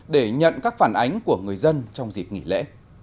để nhận các phản ánh của người dân trong dịp nghỉ lễ